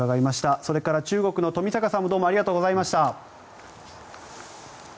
それから中国の冨坂さんもどうもありがとうございました。